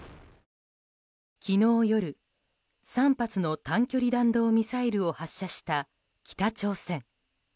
昨日夜、３発の短距離弾道ミサイルを発射した北朝鮮。